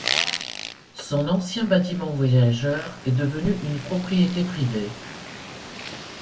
Son ancien bâtiment voyageurs est devenu une propriété privée.